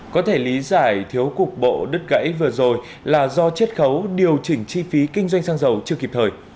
có thể lý giải thiếu cục bộ đứt gãy vừa rồi là do chết khấu điều chỉnh chi phí kinh doanh xăng dầu chưa kịp thời